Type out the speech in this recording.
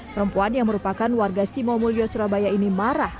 perempuan yang merupakan warga simomulyo surabaya ini marah